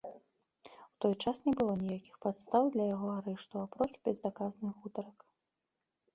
У той час не было ніякіх падстаў для яго арышту, апроч безадказных гутарак.